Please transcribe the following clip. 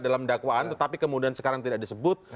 dalam dakwaan tetapi kemudian sekarang tidak disebut